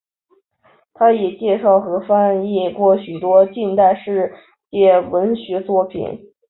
它也介绍和翻译过很多近代世界文学作品。